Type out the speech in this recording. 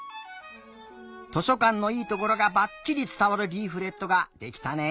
図書かんのいいところがばっちりつたわるリーフレットができたね。